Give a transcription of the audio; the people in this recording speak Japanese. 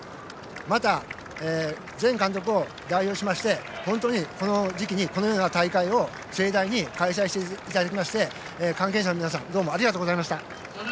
また全監督を代表しまして本当に、この時期にこのような大会を盛大に開催していただきまして関係者の皆さんどうもありがとうございました。